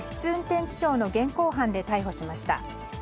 運転致傷の現行犯で逮捕しました。